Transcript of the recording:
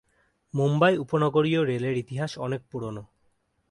মুম্বাই উপনগরীয় রেলের ইতিহাস অনেক পুরনো।